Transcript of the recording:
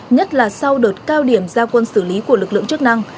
nhất là sau đợt cao điểm giao quân xử lý của lực lượng chức năng